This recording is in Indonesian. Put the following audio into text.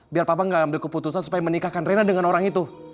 biar papa nggak ambil keputusan supaya menikahkan rina dengan orang itu